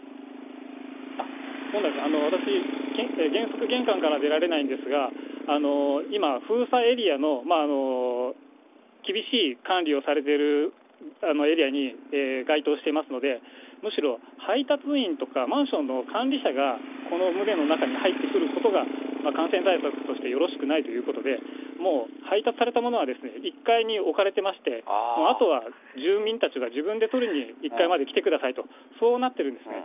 私、原則、玄関から出られないんですが、今、封鎖エリアの厳しい管理をされているエリアに該当してますので、むしろ配達員とか、マンションの管理者が、この棟の中に入ってくることが感染対策としてよろしくないということで、もう配達されたものは１階に置かれてまして、あとは住民たちが自分で取りに１階まで来てくださいと、そうなってるんですね。